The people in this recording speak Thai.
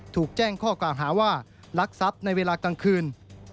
ถูกแจ้งข้อกล่าวหาว่าลักทรัพย์ในเวลากลางคืน